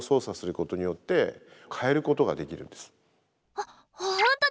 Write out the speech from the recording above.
あっほんとだ！